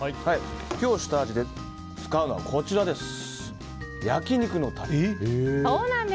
今日、下味で使うのは焼き肉のタレです。